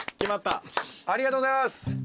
ありがとうございます。